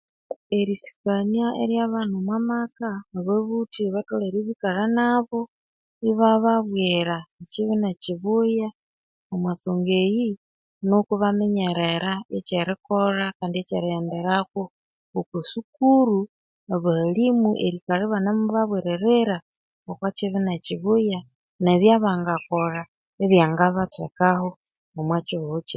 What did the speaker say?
Erisikania eryabana omwamaka ababuthi batholere ibikalha nabo ibababwera ekibi nikibuya omwasonga eyi nuko ibaminyerera ekyerikolha kandi ekyerighenderako okwasukuru abahalhimumu erikalha eba nimubabweririra okwa kibi ne kibuya ekyangabatekaho okwakihogho kino